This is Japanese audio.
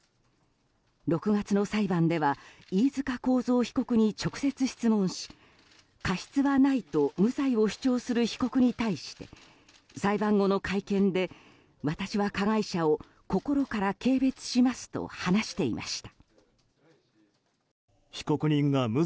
６月の裁判では飯塚幸三被告に直接質問し過失はないと無罪を主張する被告に対して裁判後の会見で、私は加害者を心から軽蔑しますと話していました。